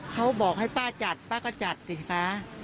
เขาบอกให้ป้าจัดป้าก็จัดสิคะ